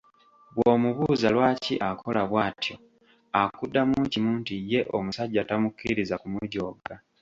Bw'omubuuza lwaki akola bw'atyo akuddamu kimu nti ye omusajja tamukkiriza kumujooga.